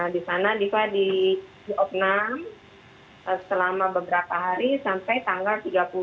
di sana diva di opnam selama beberapa hari sampai tanggal tiga puluh